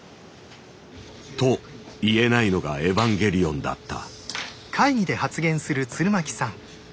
と言えないのが「エヴァンゲリオン」だった。